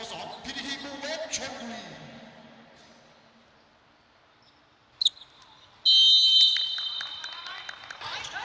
สวัสดีครับสวัสดีครับ